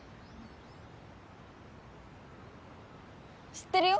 知ってるよ？